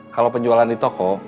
kalau penjualan di toko